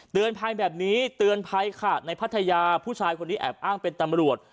ภัยแบบนี้เตือนภัยค่ะในพัทยาผู้ชายคนนี้แอบอ้างเป็นตำรวจ